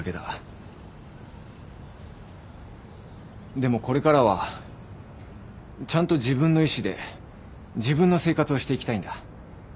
でもこれからはちゃんと自分の意思で自分の生活をしていきたいんだ。